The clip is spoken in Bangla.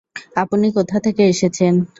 আপনি কোথা থেকে এসেছেন?